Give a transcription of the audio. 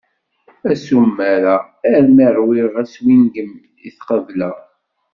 Assumer-a, armi ṛwiɣ aswingem i t-qebeleɣ.